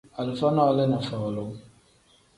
Alifa nole ni folu.